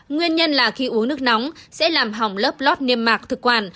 nguyên nhân là khi uống nước nóng sẽ làm hỏng lớp lót niêm mạc thực quản